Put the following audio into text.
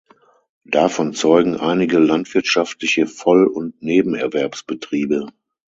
Davon zeugen einige landwirtschaftliche Voll- und Nebenerwerbsbetriebe.